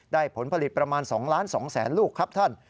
ได้ผลผลิตประมาณ๒ล้าน๒แสนลูกครับท่าน